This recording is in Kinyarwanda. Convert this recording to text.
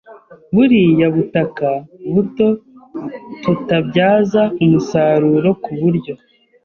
buriya butaka buto tutabyaza umusaruro kuburyo